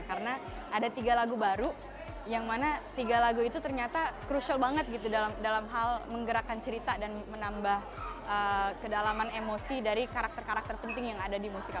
karena ada tiga lagu baru yang mana tiga lagu itu ternyata crucial banget gitu dalam hal menggerakkan cerita dan menambah kedalaman emosi dari karakter karakter penting yang ada di musikal